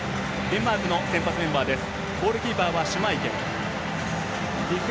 デンマークの先発メンバーです。